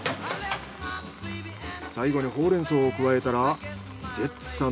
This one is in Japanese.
最後にホウレンソウを加えたらジェッツさん